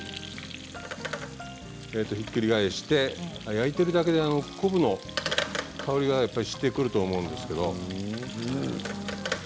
ひっくり返して焼いているだけで昆布の香りがしてくると思うんですけれど。